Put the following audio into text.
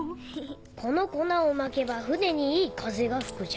この粉をまけば舟にいい風が吹くじゃ。